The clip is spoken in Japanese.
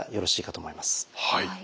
はい。